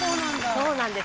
そうなんです。